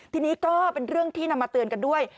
ทีนี้ก็เป็นเรื่องที่นำมาเตือนกันด้วย